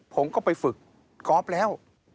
ผมก็ไปฝึกกอล์ฟแล้ว